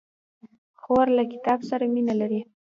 خور له کتاب سره مینه لري.